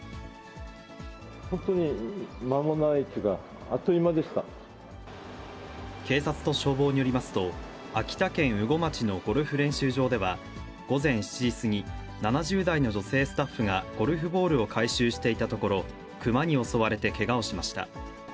本当にまもないっていうか、警察と消防によりますと、秋田県羽後町のゴルフ練習場では、午前７時過ぎ、７０代の女性スタッフがゴルフボールを回収していたところ、クマに襲われてけがをしました。